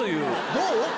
どう？